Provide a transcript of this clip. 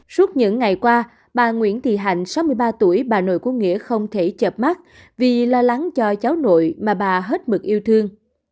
suốt những ngày qua bà nguyễn thị hạnh sáu mươi ba tuổi bà nội của nghĩa không thể chập mắt vì lo lắng cho cháu nội mà bà hết mực yêu thương